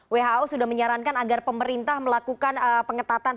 who sudah menyarankan agar pemerintah melakukan pengetatan